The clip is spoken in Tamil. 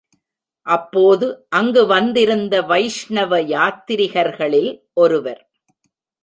அப்போது அங்கு வந்திருந்த வைஷ்ணவ யாத்திரிகர்களில் ஒருவர்.